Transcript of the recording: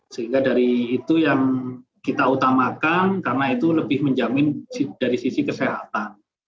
sehingga dari itu yang kita utamakan karena itu lebih menjamin dari sisi kesehatan